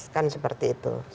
kan seperti itu